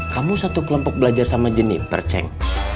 kamu satu kelompok belajar sama jenimper ceng